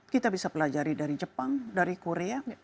kita bisa pelajari dari jepang dari korea